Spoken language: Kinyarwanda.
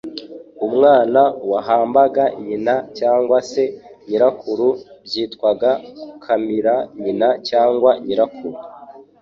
Umwana wahambaga nyina cyangwa se nyirakuru byitwaga gukamira nyina cyangwa nyirakuru.